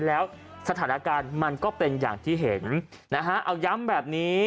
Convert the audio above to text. แล้วสถานการณ์มันก็เป็นอย่างที่เห็นนะฮะเอาย้ำแบบนี้